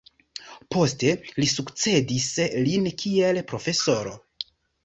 Poste li sukcedis lin kiel profesoro.